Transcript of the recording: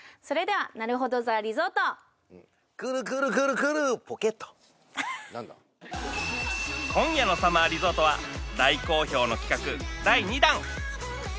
それではなるほど・ザ・リゾートクルクルクルクルポケット今夜の「さまぁリゾート」は大好評の企画第２弾